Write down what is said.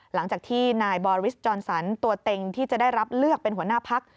หลังจากที่นายบอริสจอนสันตัวเต็งที่จะได้รับเลือกเป็นหัวหน้าพัก